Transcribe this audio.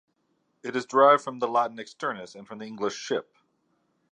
It is derived from Latin "externus" and from English "-ship".